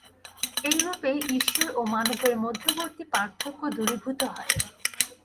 এইরূপেই ঈশ্বর ও মানবের মধ্যবর্তী পার্থক্য দূরীভূত হয়।